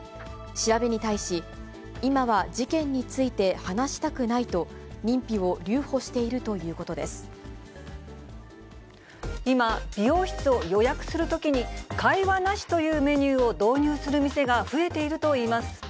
調べに対し、今は事件について話したくないと認否を留保しているということで今、美容室を予約するときに、会話なしというメニューを導入する店が増えているといいます。